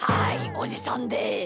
おじさんです！